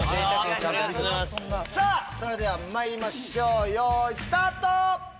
それではまいりましょうよいスタート！